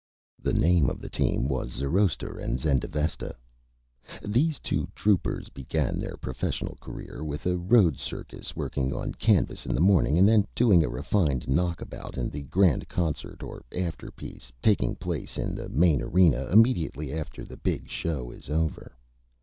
The Name of the Team was Zoroaster and Zendavesta. These two Troupers began their Professional Career with a Road Circus, working on Canvas in the Morning, and then doing a Refined Knockabout in the Grand Concert or Afterpiece taking place in the Main Arena immediately after the big Show is over.